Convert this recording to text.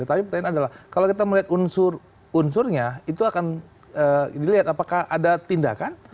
tapi pertanyaan adalah kalau kita melihat unsurnya itu akan dilihat apakah ada tindakan